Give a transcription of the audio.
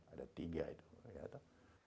ada tiga itu